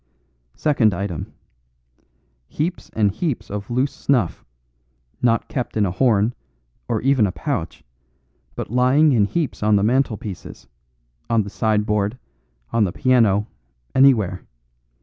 "Second item. Heaps and heaps of loose snuff, not kept in a horn, or even a pouch, but lying in heaps on the mantelpieces, on the sideboard, on the piano, anywhere.